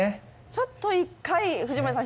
ちょっと１回、藤森さん